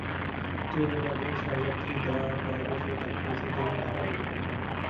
টেনের একজন সহযাত্রী দয়াপরবশ হয়ে তাঁকে পৌঁছে দিলেন ঢাকা মেডিকেলে।